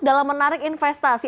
apakah menarik investasi